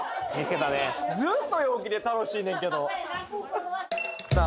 ずーっと陽気で楽しいねんけどさあ